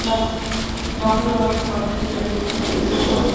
বাছা, দেখে কি মনে হয় আমি এখনো ওর হয়ে কাজ করি?